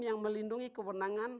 yang melindungi kewenangan